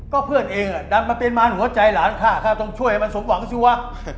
ก็เพื่อนเองดันมาเป็นมารหัวใจหลานข้าข้าต้องช่วยให้มันสมหวังสิวะ